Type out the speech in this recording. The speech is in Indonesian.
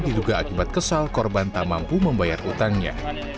diduga akibat kesal korban tak mampu membayar utangnya